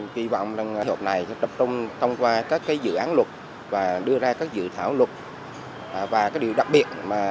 kỳ họp này sẽ đập trung thông qua các dự án luật và đưa ra các dự thảo luật và điều đặc biệt